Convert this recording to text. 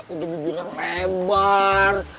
itu bibirnya lebar